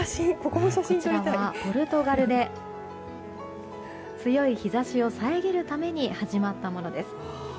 ポルトガルで強い日差しを遮るために始まったものです。